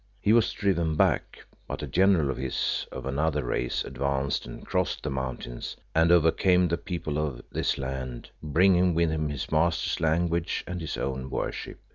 He was driven back, but a general of his of another race advanced and crossed the mountains, and overcame the people of this land, bringing with him his master's language and his own worship.